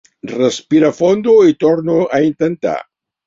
Respira fondo i torna-ho a intentar.